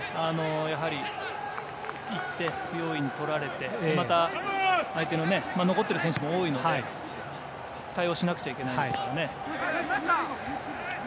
やはりいって不用意にとられるとまた、相手の残っている選手も多いので対応しなくちゃいけないですからね。